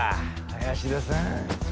林田さん。